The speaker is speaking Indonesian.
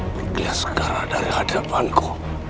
pergilah sekarang dari hadapanku